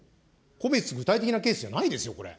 個別具体的なケースじゃないですよ、これ。